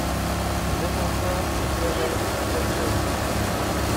Son défenseur est Ferenc Kölcsey.